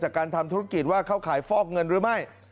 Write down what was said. การทำธุรกิจว่าเข้าขายฟอกเงินหรือไม่